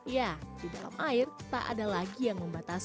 ya di dalam air tak ada lagi yang membatasi